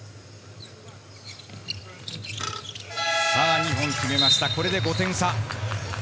２本決めました、これで５点差。